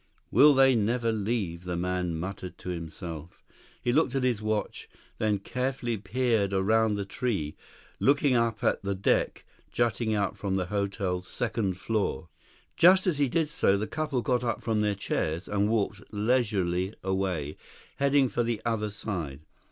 "Will they never leave?" the man muttered to himself. He looked at his watch, then carefully peered around the tree, looking up at the deck jutting out from the hotel's second floor. Just as he did so, the couple got up from their chairs and walked leisurely away, heading for the other side.